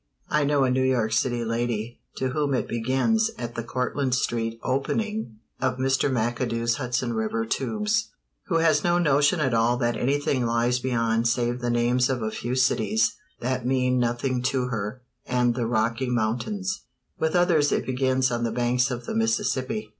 I know a New York lady to whom it begins at the Cortlandt street opening of Mr. McAdoo's Hudson River tubes, who has no notion at all that anything lies beyond save the names of a few cities that mean nothing to her, and the Rocky Mountains. With others it begins on the banks of the Mississippi.